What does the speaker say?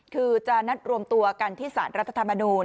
คือจะนัดรวมตัวกันที่สารรัฐธรรมนูล